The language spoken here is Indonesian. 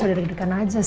vk narya mau ngajak nomer